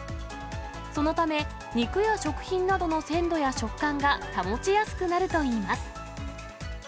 そのため、肉や食品などの鮮度や食感が保ちやすくなるといいます。